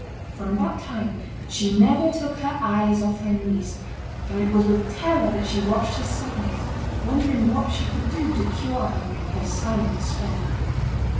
From that time, she never took her eyes off her niece, and it was with terror that she watched her sadness, wondering what she could do to cure her of her silent despair.